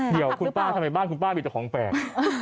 เดี๋ยวคุณป้าทำไมบ้านคุณป้ามีแต่ของแปลก